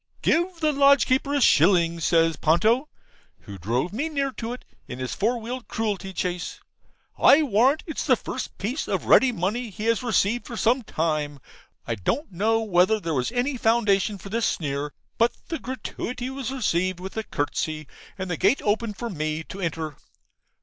'Give the lodge keeper a shilling,' says Ponto, (who drove me near to it in his four wheeled cruelty chaise). 'I warrant it's the first piece of ready money he has received for some time. I don't know whether there was any foundation for this sneer, but the gratuity was received with a curtsey, and the gate opened for me to enter.